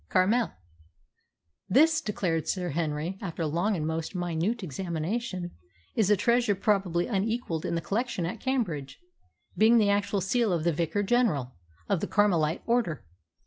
CARMEL + "This," declared Sir Henry, after a long and most minute examination, "is a treasure probably unequalled in the collection at Cambridge, being the actual seal of the Vicar General of the Carmelite order.